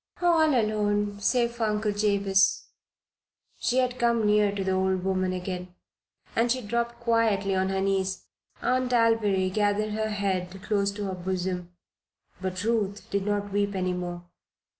"All alone save for Uncle Jabez." She had come near to the old woman again. As she dropped quietly on her knees Aunt Alviry gathered her head close to her bosom; but Ruth did not weep any more.